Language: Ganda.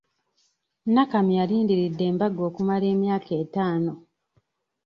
Nakamya alindiridde embaga okumala emyaka etaano.